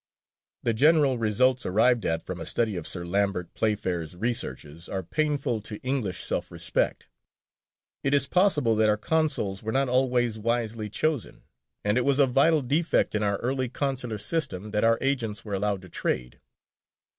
The general results arrived at from a study of Sir Lambert Playfair's researches are painful to English self respect. It is possible that our consuls were not always wisely chosen, and it was a vital defect in our early consular system that our agents were allowed to trade.